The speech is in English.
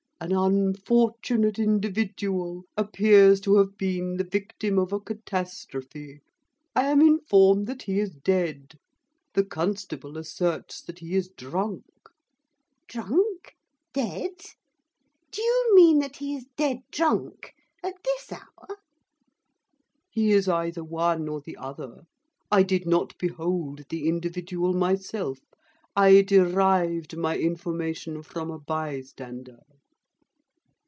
'An unfortunate individual appears to have been the victim of a catastrophe. I am informed that he is dead. The constable asserts that he is drunk.' 'Drunk? dead? Do you mean that he is dead drunk? at this hour!' 'He is either one or the other. I did not behold the individual myself. I derived my information from a bystander.